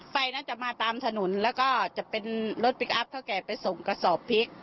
ไฟนั้นจะมาตามถนนแล้วก็จะเป็นรถพลิกอัพเท่าแก่ไปส่งกระสอบพริก